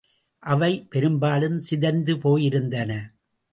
அவை பெரும்பாலும் சிதைந்து போயிருந்தன.